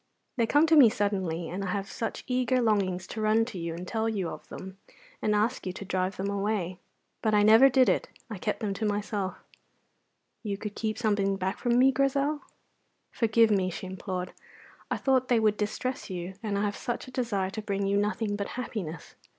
They come to me suddenly, and I have such eager longings to run to you and tell you of them, and ask you to drive them away. But I never did it; I kept them to myself." "You could keep something back from me, Grizel?" "Forgive me," she implored; "I thought they would distress you, and I had such a desire to bring you nothing but happiness.